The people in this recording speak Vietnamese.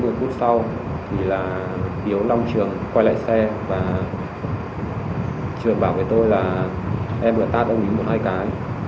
một phút sau thì là hiếu long trường quay lại xe và trường bảo với tôi là em gọi ta đồng ý một hai cái